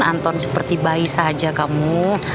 anton seperti bayi saja kamu